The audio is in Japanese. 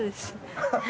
アハハハ。